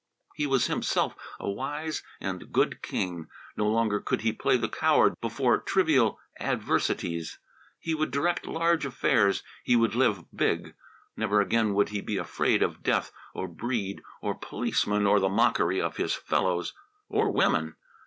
He was himself a wise and good king. No longer could he play the coward before trivial adversities. He would direct large affairs; he would live big. Never again would he be afraid of death or Breede or policemen or the mockery of his fellows or women!